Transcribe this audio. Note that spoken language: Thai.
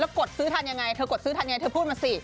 กดซื้อทันยังไงเธอกดซื้อทันยังไงเธอพูดมาสิ